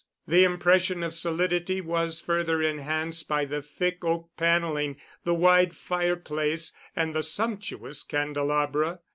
The impression of solidity was further enhanced by the thick oak paneling, the wide fireplace, and the sumptuous candelabra.